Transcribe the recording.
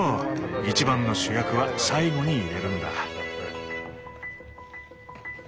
一番の主役は最後に入れるんだ。